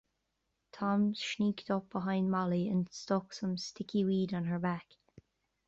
Tom sneaked up behind Molly and stuck some stickyweed on her back.